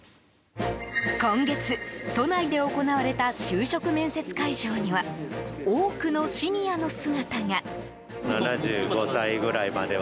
今月、都内で行われた就職面接会場には多くのシニアの姿が。